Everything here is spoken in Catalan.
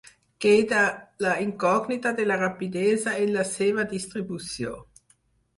Queda la incògnita de la rapidesa en la seva distribució.